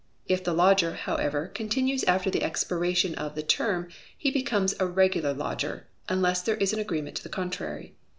If the lodger, however, continues after the expiration of the term, he becomes a regular lodger, unless there is an agreement to the contrary.